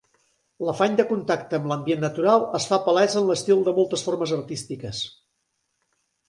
L'afany de contacte amb l'ambient natural es fa palès en l'estil de moltes formes artístiques.